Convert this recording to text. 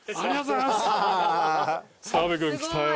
澤部君きたよ